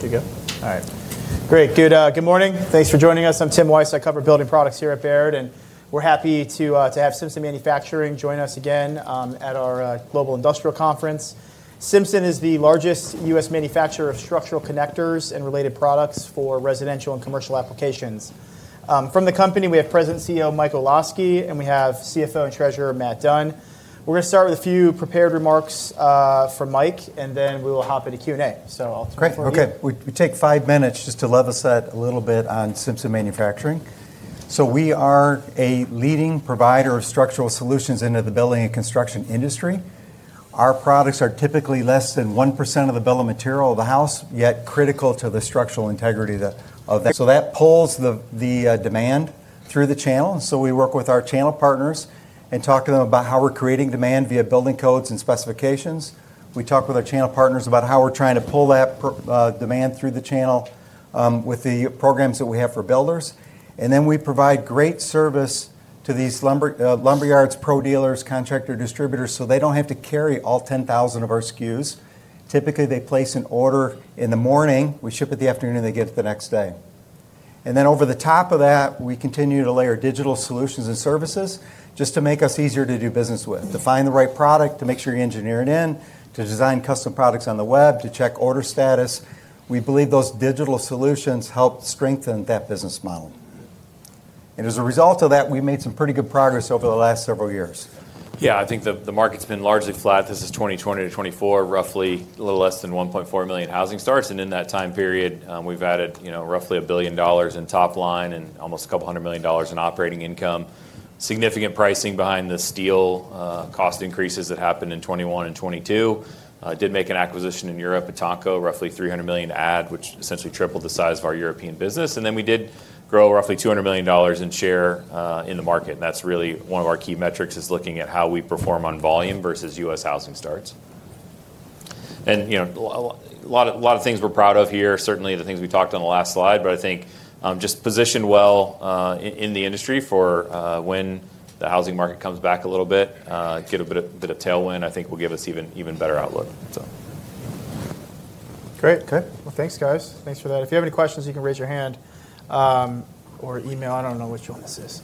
To go. All right. Great. Good morning. Thanks for joining us. I'm Tim Wojs. I cover building products here at Baird, and we're happy to have Simpson Manufacturing join us again at our Global Industrial Conference. Simpson is the largest U.S. manufacturer of structural connectors and related products for residential and commercial applications. From the company, we have President and CEO Mike Olosky, and we have CFO and Treasurer Matt Dunn. We're going to start with a few prepared remarks from Mike, and then we will hop into Q&A. I will take four minutes. Okay. We take five minutes just to level set a little bit on Simpson Manufacturing. We are a leading provider of structural solutions into the building and construction industry. Our products are typically less than 1% of the building material of the house, yet critical to the structural integrity of that. That pulls the demand through the channel. We work with our channel partners and talk to them about how we are creating demand via building codes and specifications. We talk with our channel partners about how we are trying to pull that demand through the channel with the programs that we have for builders. We provide great service to these lumber yards, pro dealers, contractors, distributors, so they do not have to carry all 10,000 of our SKUs. Typically, they place an order in the morning. We ship it the afternoon, and they get it the next day. Over the top of that, we continue to layer digital solutions and services just to make us easier to do business with, to find the right product, to make sure you engineer it in, to design custom products on the web, to check order status. We believe those digital solutions help strengthen that business model. As a result of that, we've made some pretty good progress over the last several years. Yeah. I think the market's been largely flat. This is 2020 to 2024, roughly a little less than 1.4 million housing starts. In that time period, we've added roughly $1 billion in top line and almost a couple hundred million dollars in operating income. Significant pricing behind the steel cost increases that happened in 2021 and 2022. Did make an acquisition in Europe at ETANCO, roughly $300 million to add, which essentially tripled the size of our European business. We did grow roughly $200 million in share in the market. That's really one of our key metrics is looking at how we perform on volume versus U.S. housing starts. A lot of things we're proud of here, certainly the things we talked on the last slide, but I think just position well in the industry for when the housing market comes back a little bit, get a bit of tailwind, I think will give us even better outlook. Great. Okay. Thanks, guys. Thanks for that. If you have any questions, you can raise your hand or email. I do not know which one this is.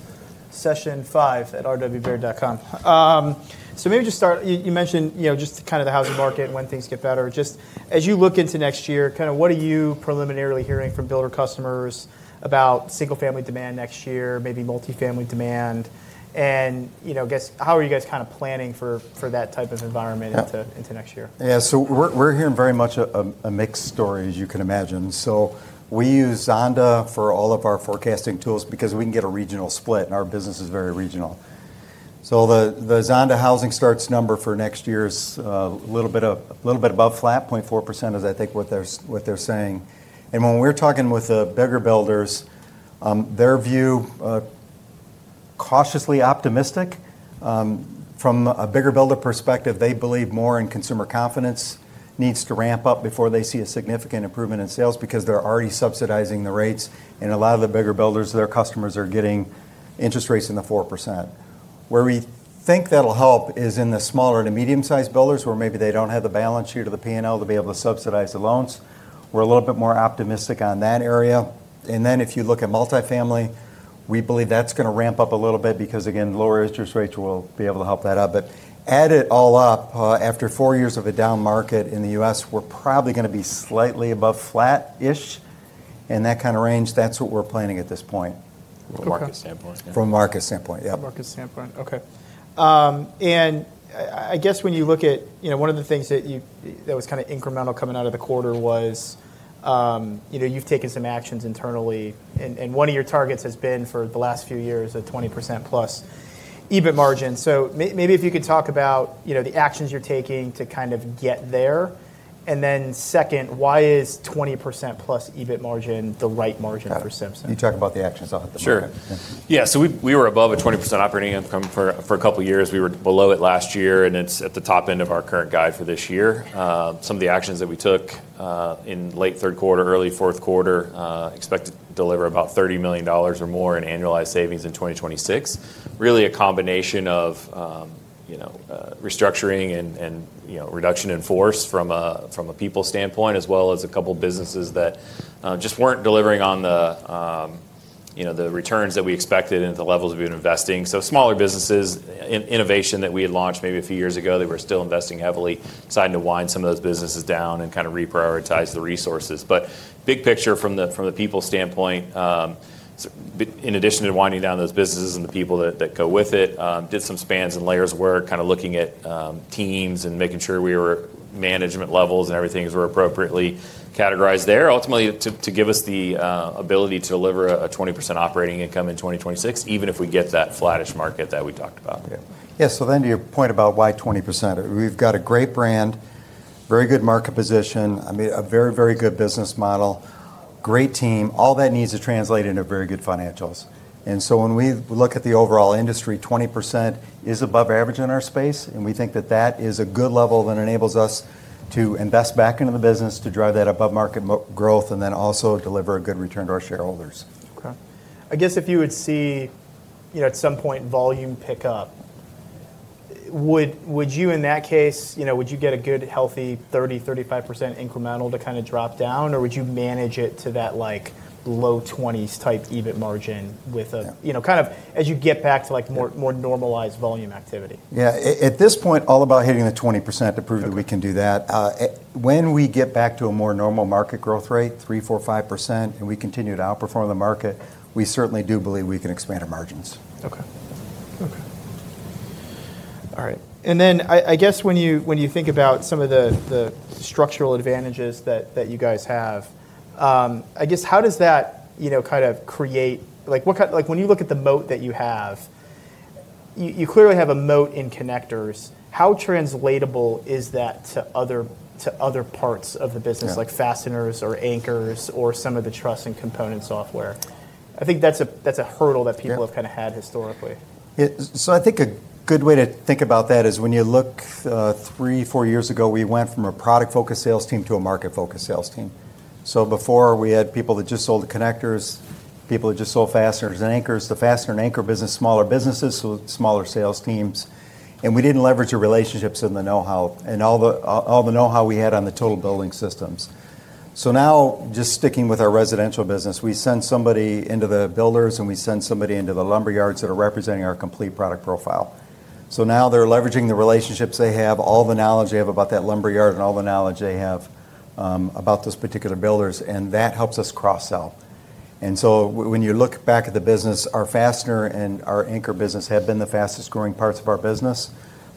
Session5@rdwbaird.com. Maybe just start, you mentioned just kind of the housing market and when things get better. Just as you look into next year, kind of what are you preliminarily hearing from builder customers about single-family demand next year, maybe multi-family demand? I guess how are you guys kind of planning for that type of environment into next year? Yeah. We're hearing very much a mixed story, as you can imagine. We use Zonda for all of our forecasting tools because we can get a regional split, and our business is very regional. The Zonda housing starts number for next year is a little bit above flat, 0.4% is I think what they're saying. When we're talking with the bigger builders, their view, cautiously optimistic. From a bigger builder perspective, they believe more in consumer confidence needs to ramp up before they see a significant improvement in sales because they're already subsidizing the rates. A lot of the bigger builders, their customers are getting interest rates in the 4%. Where we think that'll help is in the smaller to medium-sized builders where maybe they don't have the balance sheet or the P&L to be able to subsidize the loans. We're a little bit more optimistic on that area. If you look at multi-family, we believe that's going to ramp up a little bit because, again, lower interest rates will be able to help that up. Add it all up, after four years of a down market in the U.S., we're probably going to be slightly above flat-ish in that kind of range. That's what we're planning at this point. From a market standpoint. From a market standpoint, yep. From a market standpoint. Okay. I guess when you look at one of the things that was kind of incremental coming out of the quarter was you've taken some actions internally, and one of your targets has been for the last few years a 20%+ EBIT margin. Maybe if you could talk about the actions you're taking to kind of get there. Then, second, why is 20%+ EBIT margin the right margin for Simpson? You talk about the actions off the margin. Sure. Yeah. So we were above a 20% operating income for a couple of years. We were below it last year, and it's at the top end of our current guide for this year. Some of the actions that we took in late third quarter, early fourth quarter expected to deliver about $30 million or more in annualized savings in 2026. Really a combination of restructuring and reduction in force from a people standpoint, as well as a couple of businesses that just weren't delivering on the returns that we expected and the levels we've been investing. So smaller businesses, innovation that we had launched maybe a few years ago, they were still investing heavily, deciding to wind some of those businesses down and kind of reprioritize the resources. Big picture from the people standpoint, in addition to winding down those businesses and the people that go with it, did some spans and layers of work, kind of looking at teams and making sure we were management levels and everything were appropriately categorized there, ultimately to give us the ability to deliver a 20% operating income in 2026, even if we get that flattish market that we talked about. Yeah. To your point about why 20%, we've got a great brand, very good market position, I mean, a very, very good business model, great team. All that needs to translate into very good financials. When we look at the overall industry, 20% is above average in our space, and we think that that is a good level that enables us to invest back into the business, to drive that above market growth, and then also deliver a good return to our shareholders. Okay. I guess if you would see at some point volume pick up, would you in that case, would you get a good healthy 30%-35% incremental to kind of drop down, or would you manage it to that low 20s type EBIT margin with kind of as you get back to more normalized volume activity? Yeah. At this point, all about hitting the 20% to prove that we can do that. When we get back to a more normal market growth rate, 3%, 4%, 5%, and we continue to outperform the market, we certainly do believe we can expand our margins. Okay. Okay. All right. I guess when you think about some of the structural advantages that you guys have, I guess how does that kind of create when you look at the moat that you have, you clearly have a moat in connectors. How translatable is that to other parts of the business, like fasteners or anchors or some of the truss and component software? I think that's a hurdle that people have kind of had historically. Yeah. I think a good way to think about that is when you look three, four years ago, we went from a product-focused sales team to a market-focused sales team. Before, we had people that just sold the connectors, people that just sold fasteners and anchors. The fastener and anchor business, smaller businesses, smaller sales teams. We did not leverage the relationships and the know-how, and all the know-how we had on the total building systems. Now, just sticking with our residential business, we send somebody into the builders, and we send somebody into the lumber yards that are representing our complete product profile. Now they are leveraging the relationships they have, all the knowledge they have about that lumber yard and all the knowledge they have about those particular builders, and that helps us cross-sell. When you look back at the business, our fastener and our anchor business have been the fastest growing parts of our business.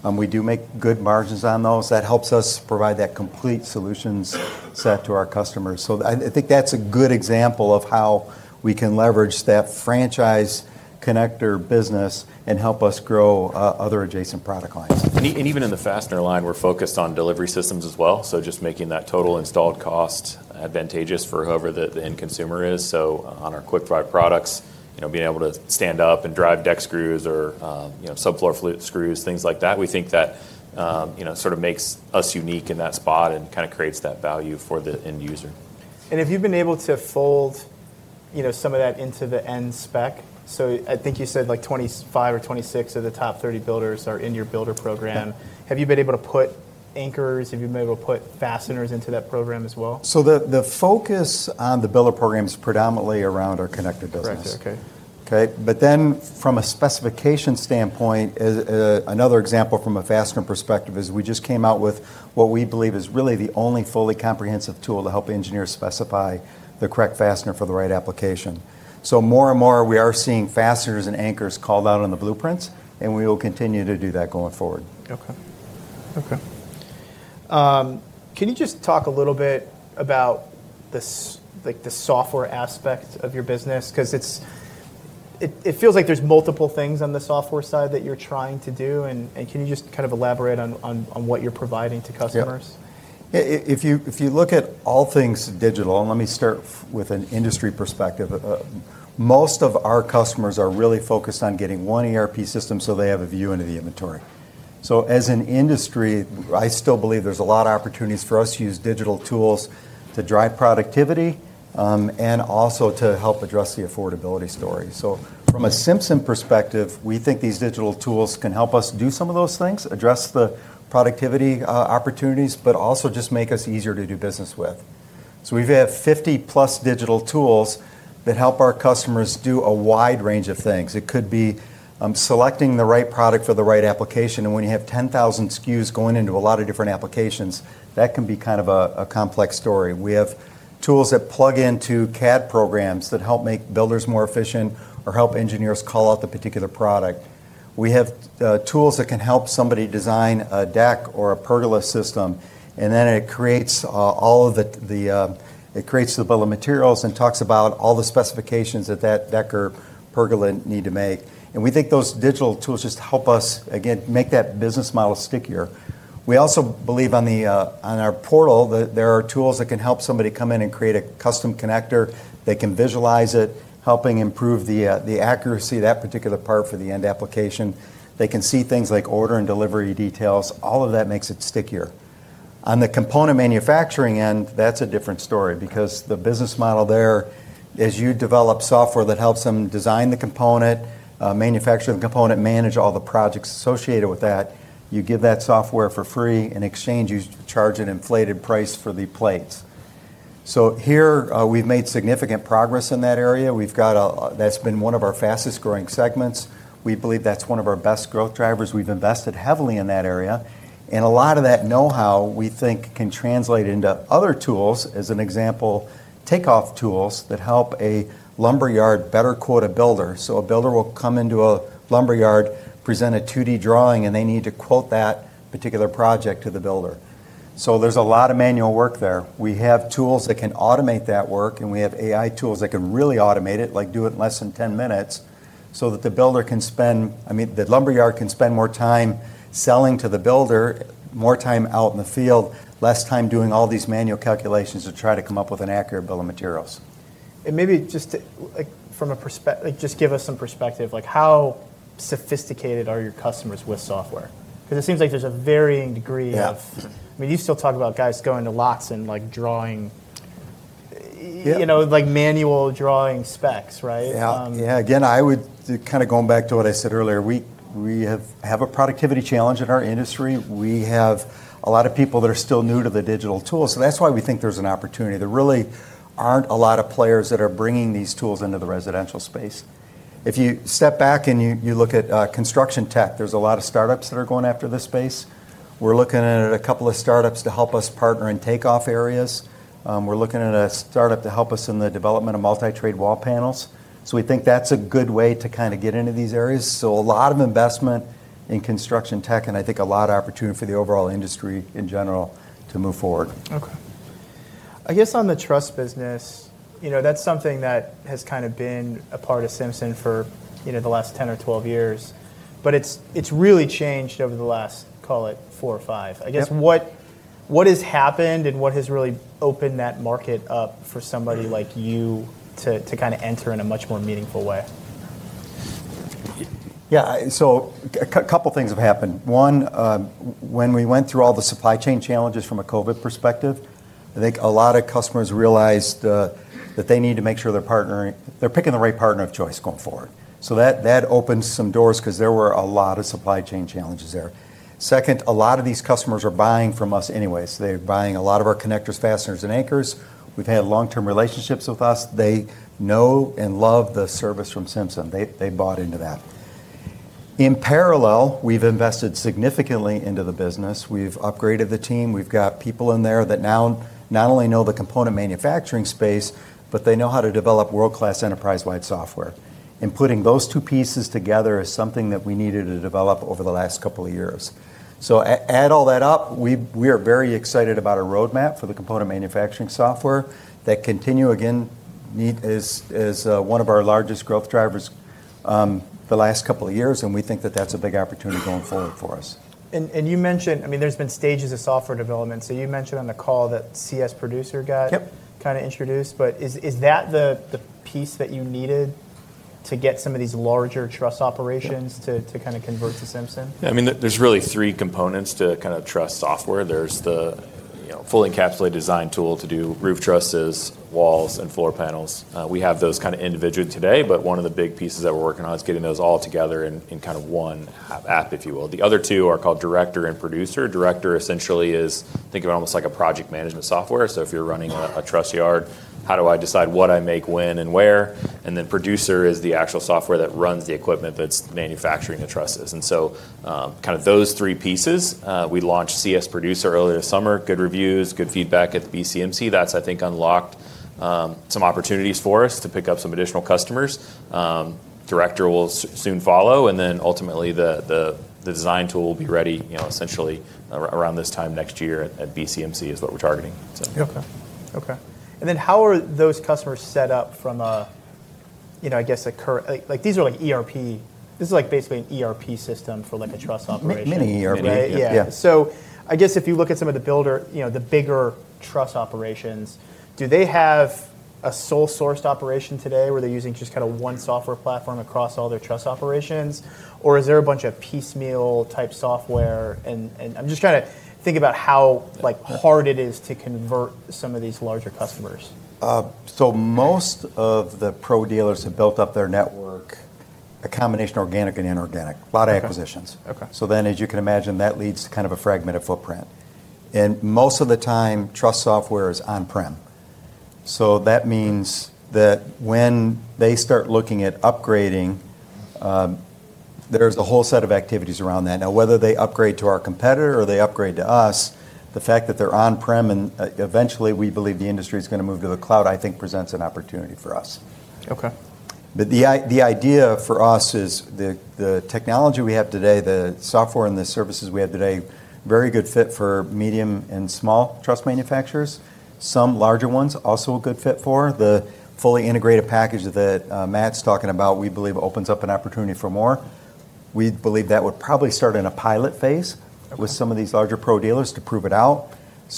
We do make good margins on those. That helps us provide that complete solutions set to our customers. I think that's a good example of how we can leverage that franchise connector business and help us grow other adjacent product lines. Even in the fastener line, we're focused on delivery systems as well. Just making that total installed cost advantageous for whoever the end consumer is. On our QuickDrive products, being able to stand up and drive deck screws or subfloor screws, things like that, we think that sort of makes us unique in that spot and kind of creates that value for the end user. Have you been able to fold some of that into the end spec? I think you said like 25 or 26 of the top 30 builders are in your builder program. Have you been able to put anchors? Have you been able to put fasteners into that program as well? The focus on the builder program is predominantly around our connector business. Connector. Okay. Okay? From a specification standpoint, another example from a fastener perspective is we just came out with what we believe is really the only fully comprehensive tool to help engineers specify the correct fastener for the right application. More and more we are seeing fasteners and anchors called out on the blueprints, and we will continue to do that going forward. Okay. Okay. Can you just talk a little bit about the software aspect of your business? Because it feels like there's multiple things on the software side that you're trying to do. Can you just kind of elaborate on what you're providing to customers? Yeah. If you look at all things digital, and let me start with an industry perspective, most of our customers are really focused on getting one ERP system so they have a view into the inventory. As an industry, I still believe there's a lot of opportunities for us to use digital tools to drive productivity and also to help address the affordability story. From a Simpson perspective, we think these digital tools can help us do some of those things, address the productivity opportunities, but also just make us easier to do business with. We have 50+ digital tools that help our customers do a wide range of things. It could be selecting the right product for the right application. When you have 10,000 SKUs going into a lot of different applications, that can be kind of a complex story. We have tools that plug into CAD programs that help make builders more efficient or help engineers call out the particular product. We have tools that can help somebody design a deck or a pergola system, and then it creates the bill of materials and talks about all the specifications that that deck or pergola need to make. We think those digital tools just help us, again, make that business model stickier. We also believe on our portal that there are tools that can help somebody come in and create a custom connector. They can visualize it, helping improve the accuracy of that particular part for the end application. They can see things like order and delivery details. All of that makes it stickier. On the component manufacturing end, that's a different story because the business model there, as you develop software that helps them design the component, manufacture the component, manage all the projects associated with that, you give that software for free. In exchange, you charge an inflated price for the plates. Here we've made significant progress in that area. That's been one of our fastest growing segments. We believe that's one of our best growth drivers. We've invested heavily in that area. A lot of that know-how, we think, can translate into other tools, as an example, takeoff tools that help a lumber yard better quote a builder. A builder will come into a lumber yard, present a 2D drawing, and they need to quote that particular project to the builder. There's a lot of manual work there. We have tools that can automate that work, and we have AI tools that can really automate it, like do it in less than 10 minutes so that the builder can spend, I mean, the lumber yard can spend more time selling to the builder, more time out in the field, less time doing all these manual calculations to try to come up with an accurate bill of materials. Maybe just from a perspective, just give us some perspective. How sophisticated are your customers with software? Because it seems like there's a varying degree of, I mean, you still talk about guys going to lots and drawing, like manual drawing specs, right? Yeah. Yeah. Again, I would, kind of going back to what I said earlier, we have a productivity challenge in our industry. We have a lot of people that are still new to the digital tools. That's why we think there's an opportunity. There really aren't a lot of players that are bringing these tools into the residential space. If you step back and you look at construction tech, there are a lot of startups that are going after this space. We're looking at a couple of startups to help us partner in takeoff areas. We're looking at a startup to help us in the development of multi-trade wall panels. We think that's a good way to kind of get into these areas. A lot of investment in construction tech, and I think a lot of opportunity for the overall industry in general to move forward. Okay. I guess on the truss business, that's something that has kind of been a part of Simpson for the last 10 or 12 years, but it's really changed over the last, call it, four or five. I guess what has happened and what has really opened that market up for somebody like you to kind of enter in a much more meaningful way? Yeah. A couple of things have happened. One, when we went through all the supply chain challenges from a COVID perspective, I think a lot of customers realized that they need to make sure they're picking the right partner of choice going forward. That opened some doors because there were a lot of supply chain challenges there. Second, a lot of these customers are buying from us anyways. They're buying a lot of our connectors, fasteners, and anchors. They've had long-term relationships with us. They know and love the service from Simpson. They bought into that. In parallel, we've invested significantly into the business. We've upgraded the team. We've got people in there that now not only know the component manufacturing space, but they know how to develop world-class enterprise-wide software. Putting those two pieces together is something that we needed to develop over the last couple of years. Add all that up, we are very excited about our roadmap for the component manufacturing software that continue, again, as one of our largest growth drivers the last couple of years, and we think that that's a big opportunity going forward for us. You mentioned, I mean, there's been stages of software development. You mentioned on the call that CS Producer got kind of introduced, but is that the piece that you needed to get some of these larger truss operations to kind of convert to Simpson? Yeah. I mean, there's really three components to kind of truss software. There's the fully encapsulated design tool to do roof trusses, walls, and floor panels. We have those kind of individually today, but one of the big pieces that we're working on is getting those all together in kind of one app, if you will. The other two are called Director and Producer. Director essentially is, think of it almost like a project management software. If you're running a truss yard, how do I decide what I make when and where? Producer is the actual software that runs the equipment that's manufacturing the trusses. Those three pieces, we launched CS Producer earlier this summer. Good reviews, good feedback at the BCMC. That's, I think, unlocked some opportunities for us to pick up some additional customers. Director will soon follow, and then ultimately the design tool will be ready essentially around this time next year at BCMC is what we're targeting. Okay. Okay. How are those customers set up from a, I guess, these are like ERP. This is like basically an ERP system for like a truss operation. are many ERPs. Yeah. I guess if you look at some of the bigger truss operations, do they have a sole-sourced operation today where they're using just kind of one software platform across all their truss operations, or is there a bunch of piecemeal type software? I'm just trying to think about how hard it is to convert some of these larger customers. Most of the pro dealers have built up their network a combination of organic and inorganic, a lot of acquisitions. As you can imagine, that leads to kind of a fragmented footprint. Most of the time, truss software is on-prem. That means that when they start looking at upgrading, there is a whole set of activities around that. Now, whether they upgrade to our competitor or they upgrade to us, the fact that they are on-prem and eventually we believe the industry is going to move to the cloud, I think presents an opportunity for us. Okay. The idea for us is the technology we have today, the software and the services we have today, very good fit for medium and small truss manufacturers. Some larger ones also a good fit for. The fully integrated package that Matt's talking about, we believe opens up an opportunity for more. We believe that would probably start in a pilot phase with some of these larger pro dealers to prove it out.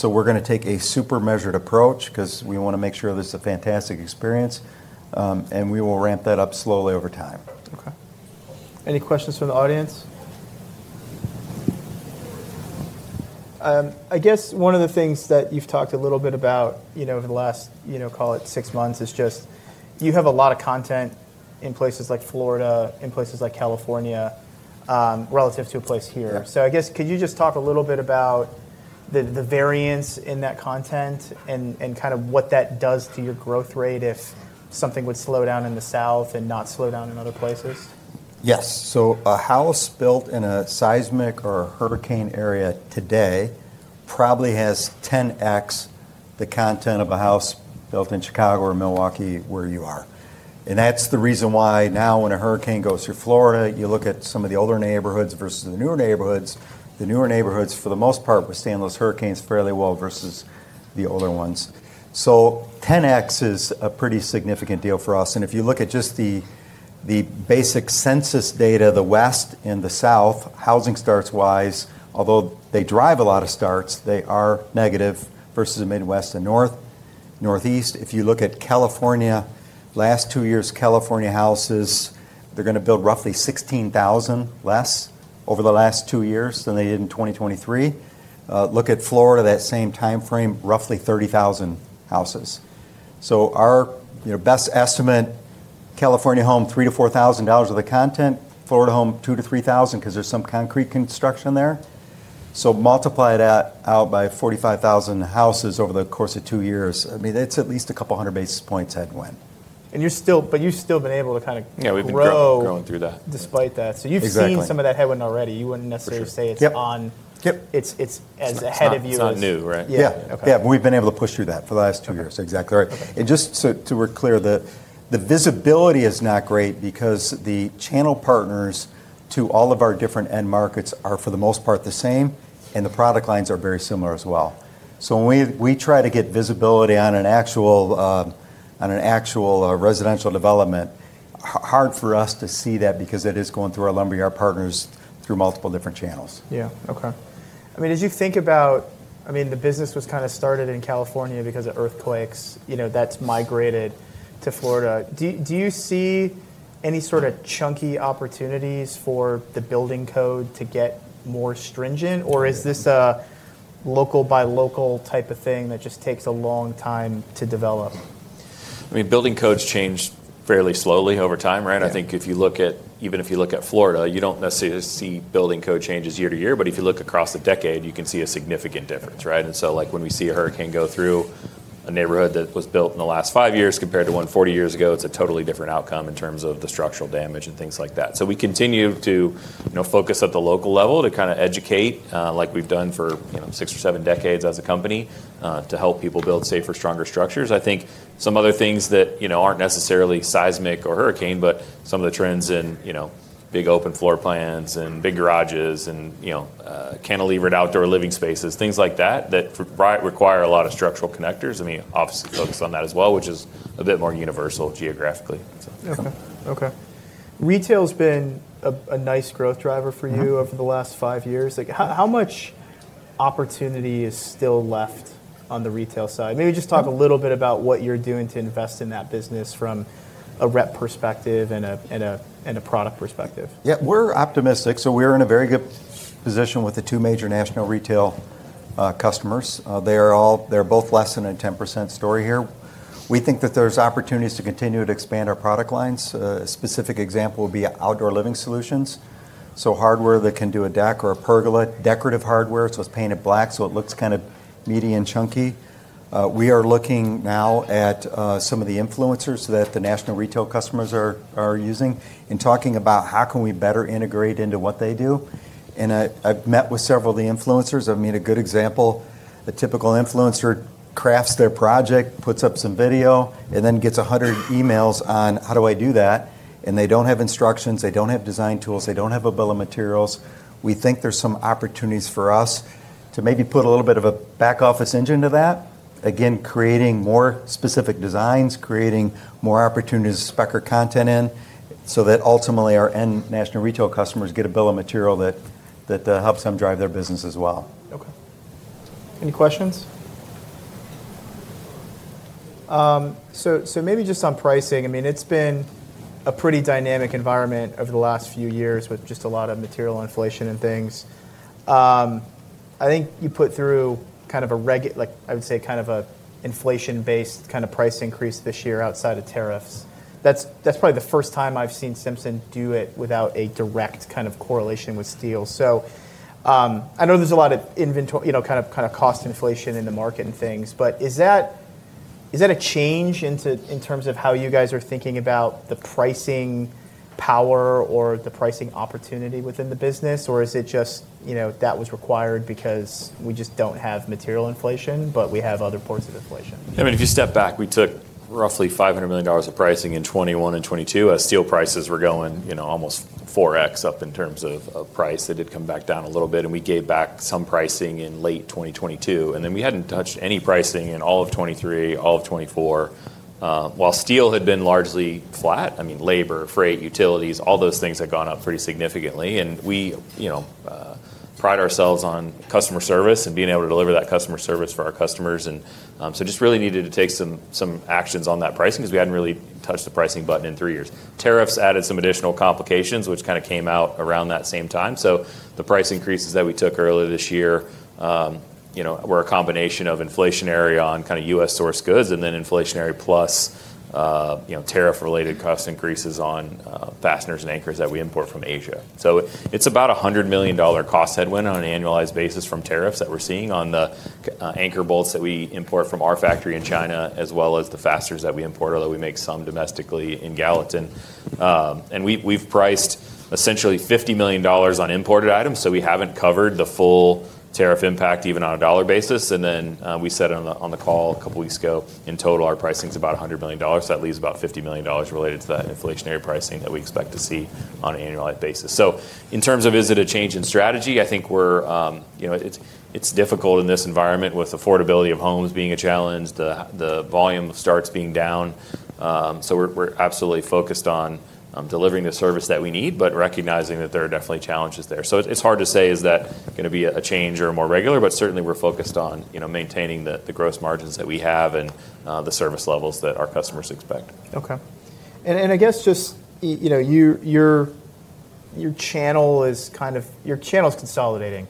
We are going to take a super measured approach because we want to make sure there's a fantastic experience, and we will ramp that up slowly over time. Okay. Any questions from the audience? I guess one of the things that you've talked a little bit about over the last, call it, six months is just you have a lot of content in places like Florida, in places like California relative to a place here. I guess could you just talk a little bit about the variance in that content and kind of what that does to your growth rate if something would slow down in the South and not slow down in other places? Yes. A house built in a seismic or hurricane area today probably has 10x the content of a house built in Chicago or Milwaukee where you are. That is the reason why now when a hurricane goes through Florida, you look at some of the older neighborhoods versus the newer neighborhoods. The newer neighborhoods, for the most part, withstand those hurricanes fairly well versus the older ones. 10x is a pretty significant deal for us. If you look at just the basic census data, the West and the South, housing starts-wise, although they drive a lot of starts, they are negative versus the Midwest and Northeast. If you look at California, last two years, California houses, they are going to build roughly 16,000 less over the last two years than they did in 2023. Look at Florida, that same time frame, roughly 30,000 houses. Our best estimate, California home, $3,000-$4,000 of the content, Florida home, $2,000-$3,000 because there's some concrete construction there. Multiply that out by 45,000 houses over the course of two years. I mean, it's at least a couple hundred basis points headwind. You've still been able to kind of grow. Yeah. We've been growing through that. Despite that. You've seen some of that headwind already. You wouldn't necessarily say it's on. Yep. It's as ahead of you. It's not new, right? Yeah. Okay. Yeah. We have been able to push through that for the last two years. Exactly. Right. Just to be clear, the visibility is not great because the channel partners to all of our different end markets are, for the most part, the same, and the product lines are very similar as well. When we try to get visibility on an actual residential development, it is hard for us to see that because it is going through our lumber yard partners through multiple different channels. Yeah. Okay. I mean, as you think about, I mean, the business was kind of started in California because of earthquakes. That's migrated to Florida. Do you see any sort of chunky opportunities for the building code to get more stringent, or is this a local-by-local type of thing that just takes a long time to develop? I mean, building codes change fairly slowly over time, right? I think if you look at, even if you look at Florida, you do not necessarily see building code changes year to year, but if you look across the decade, you can see a significant difference, right? When we see a hurricane go through a neighborhood that was built in the last five years compared to one 40 years ago, it is a totally different outcome in terms of the structural damage and things like that. We continue to focus at the local level to kind of educate, like we have done for six or seven decades as a company, to help people build safer, stronger structures. I think some other things that aren't necessarily seismic or hurricane, but some of the trends in big open floor plans and big garages and cantilevered outdoor living spaces, things like that that require a lot of structural connectors. I mean, obviously focus on that as well, which is a bit more universal geographically. Okay. Okay. Retail has been a nice growth driver for you over the last five years. How much opportunity is still left on the retail side? Maybe just talk a little bit about what you're doing to invest in that business from a rep perspective and a product perspective. Yeah. We're optimistic. We're in a very good position with the two major national retail customers. They're both less than a 10% story here. We think that there's opportunities to continue to expand our product lines. A specific example would be outdoor living solutions. Hardware that can do a deck or a pergola, decorative hardware. It's painted black, so it looks kind of meaty and chunky. We are looking now at some of the influencers that the national retail customers are using and talking about how can we better integrate into what they do. I've met with several of the influencers. I mean, a good example, a typical influencer crafts their project, puts up some video, and then gets 100 emails on, "How do I do that?" They don't have instructions. They don't have design tools. They don't have a bill of materials. We think there's some opportunities for us to maybe put a little bit of a back office engine to that, again, creating more specific designs, creating more opportunities to spec or content in so that ultimately our end national retail customers get a bill of material that helps them drive their business as well. Okay. Any questions? Maybe just on pricing. I mean, it's been a pretty dynamic environment over the last few years with just a lot of material inflation and things. I think you put through kind of a, I would say, kind of an inflation-based kind of price increase this year outside of tariffs. That's probably the first time I've seen Simpson do it without a direct kind of correlation with steel. I know there's a lot of kind of cost inflation in the market and things, but is that a change in terms of how you guys are thinking about the pricing power or the pricing opportunity within the business, or is it just that was required because we just do not have material inflation, but we have other ports of inflation? I mean, if you step back, we took roughly $500 million of pricing in 2021 and 2022 as steel prices were going almost 4x up in terms of price. They did come back down a little bit, and we gave back some pricing in late 2022. I mean, we had not touched any pricing in all of 2023, all of 2024. While steel had been largely flat, I mean, labor, freight, utilities, all those things had gone up pretty significantly. We pride ourselves on customer service and being able to deliver that customer service for our customers. We just really needed to take some actions on that pricing because we had not really touched the pricing button in three years. Tariffs added some additional complications, which kind of came out around that same time. The price increases that we took earlier this year were a combination of inflationary on kind of U.S.-sourced goods and then inflationary plus tariff-related cost increases on fasteners and anchors that we import from Asia. It's about a $100 million cost headwind on an annualized basis from tariffs that we're seeing on the anchor bolts that we import from our factory in China, as well as the fasteners that we import, although we make some domestically in Gallatin. We've priced essentially $50 million on imported items, so we haven't covered the full tariff impact even on a dollar basis. We said on the call a couple of weeks ago, in total, our pricing is about $100 million. That leaves about $50 million related to that inflationary pricing that we expect to see on an annualized basis. In terms of is it a change in strategy, I think it's difficult in this environment with affordability of homes being a challenge, the volume of starts being down. We're absolutely focused on delivering the service that we need, but recognizing that there are definitely challenges there. It's hard to say is that going to be a change or a more regular, but certainly we're focused on maintaining the gross margins that we have and the service levels that our customers expect. Okay. I guess just your channel is kind of your channel's consolidating.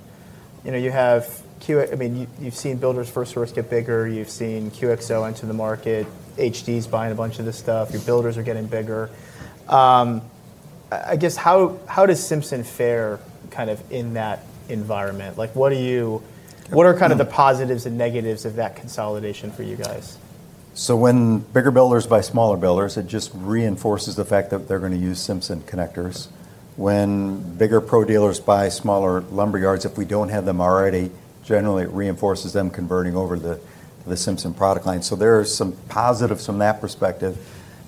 You have QXO. I mean, you've seen Builders FirstSource get bigger. You've seen QXO enter the market. HD's buying a bunch of this stuff. Your builders are getting bigger. I guess how does Simpson fare kind of in that environment? What are kind of the positives and negatives of that consolidation for you guys? When bigger builders buy smaller builders, it just reinforces the fact that they're going to use Simpson connectors. When bigger pro dealers buy smaller lumber yards, if we don't have them already, generally it reinforces them converting over to the Simpson product line. There are some positives from that perspective.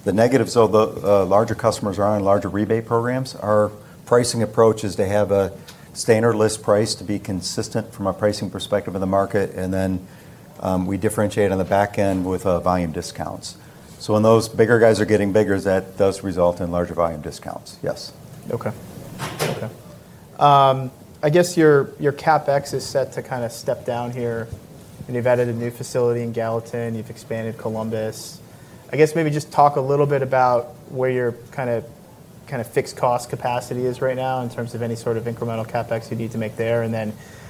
The negatives, although larger customers are on larger rebate programs, our pricing approach is to have a standard list price to be consistent from a pricing perspective in the market, and then we differentiate on the back end with volume discounts. When those bigger guys are getting bigger, that does result in larger volume discounts. Yes. Okay. Okay. I guess your CapEx is set to kind of step down here, and you've added a new facility in Gallatin. You've expanded Columbus. I guess maybe just talk a little bit about where your kind of fixed cost capacity is right now in terms of any sort of incremental CapEx you need to make there.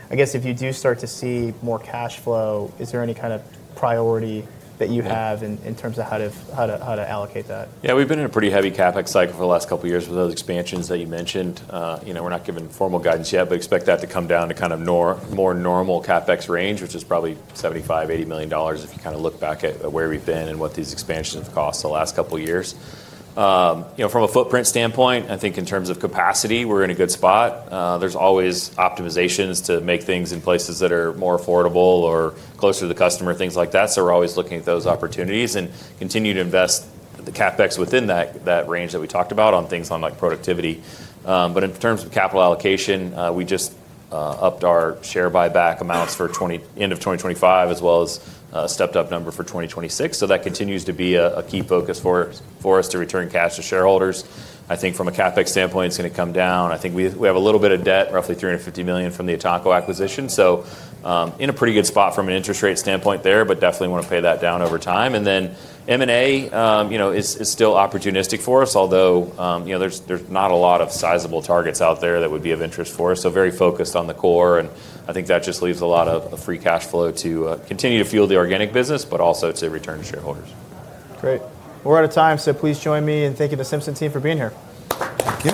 I guess if you do start to see more cash flow, is there any kind of priority that you have in terms of how to allocate that? Yeah. We've been in a pretty heavy CapEx cycle for the last couple of years with those expansions that you mentioned. We're not giving formal guidance yet, but expect that to come down to kind of more normal CapEx range, which is probably $75 million-$80 million if you kind of look back at where we've been and what these expansions have cost the last couple of years. From a footprint standpoint, I think in terms of capacity, we're in a good spot. There's always optimizations to make things in places that are more affordable or closer to the customer, things like that. We're always looking at those opportunities and continue to invest the CapEx within that range that we talked about on things on like productivity. In terms of capital allocation, we just upped our share buyback amounts for end of 2025, as well as stepped up number for 2026. That continues to be a key focus for us to return cash to shareholders. I think from a CapEx standpoint, it is going to come down. I think we have a little bit of debt, roughly $350 million from the Ataco acquisition. In a pretty good spot from an interest rate standpoint there, but definitely want to pay that down over time. M&A is still opportunistic for us, although there is not a lot of sizable targets out there that would be of interest for us. Very focused on the core. I think that just leaves a lot of free cash flow to continue to fuel the organic business, but also to return to shareholders. Great. We're out of time, so please join me in thanking the Simpson team for being here.